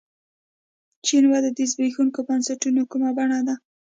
چین وده د زبېښونکو بنسټونو کومه بڼه ده.